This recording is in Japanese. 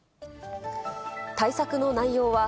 対策の内容は、